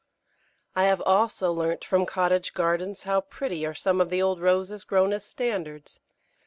I have also learnt from cottage gardens how pretty are some of the old Roses grown as standards.